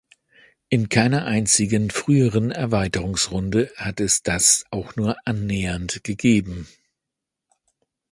In keiner einzigen früheren Erweiterungsrunde hat es das auch nur annähernd gegeben.